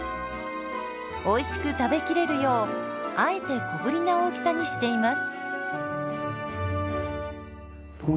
おいしく食べきれるようあえて小ぶりな大きさにしています。